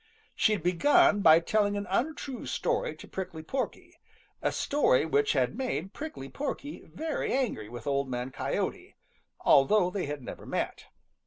She had begun by telling an untrue story to Prickly Porky, a story which had made Prickly Porky very angry with Old Man Coyote, although they had never met.